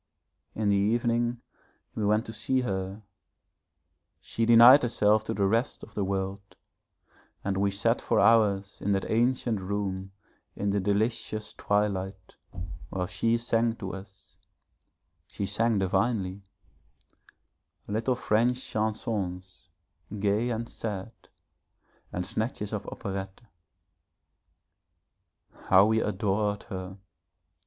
In the evening we went to see her; she denied herself to the rest of the world, and we sat for hours in that ancient room in the delicious twilight, while she sang to us she sang divinely little French chansons, gay and sad, and snatches of operette. How we adored her!